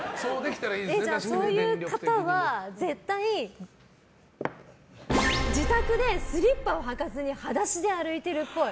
そういう方は絶対、自宅でスリッパを履かずに裸足で歩いてるっぽい。